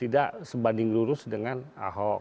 tidak sebanding lurus dengan ahok